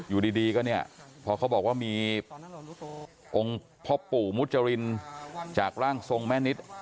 อยู่ดีก็เนี่ยพอเขาบอกว่ามีองค์พ่อปู่มุจรินจากร่างทรงแม่นิด